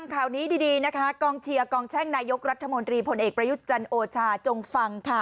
ข่าวนี้ดีนะคะกองเชียร์กองแช่งนายกรัฐมนตรีพลเอกประยุทธ์จันโอชาจงฟังค่ะ